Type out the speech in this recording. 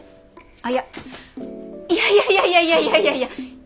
あいやいやいやいやいやいやいやいや！